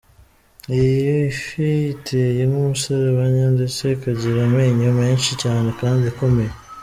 Iyi fi iteye nk’umuserebanya ndetse ikagira amenyo menshi cyane kandi akomeye.